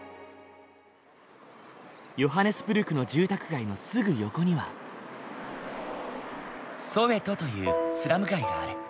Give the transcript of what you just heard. ヨハネスブルクの住宅街のすぐ横にはソウェトというスラム街がある。